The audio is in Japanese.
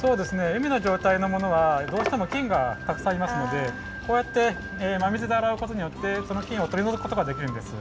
うみのじょうたいのものはどうしてもきんがたくさんいますのでこうやってま水であらうことによってそのきんをとりのぞくことができるんです。